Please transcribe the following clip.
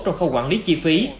trong khu quản lý chi phí